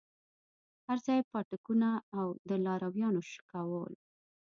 هرځاى پاټکونه او د لارويانو شکول.